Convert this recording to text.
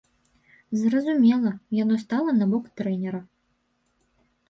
Зразумела, яно стала на бок трэнера.